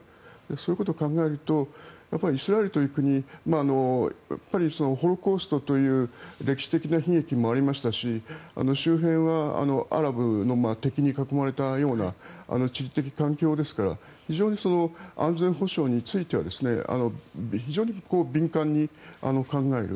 そういうことを考えるとイスラエルという国ホロコーストという歴史的な悲劇もありましたし周辺はアラブの敵に囲まれたような地理的環境ですから非常に安全保障については非常に敏感に考える。